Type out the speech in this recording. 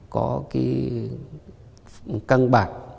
có cái căng bạc